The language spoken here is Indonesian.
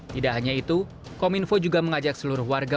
tidak hanya itu komunikasi dan informatika juga mengajak seluruh warga